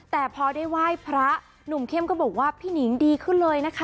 แต่พอได้ไหว้พระหนุ่มเข้มก็บอกว่าพี่หนิงดีขึ้นเลยนะคะ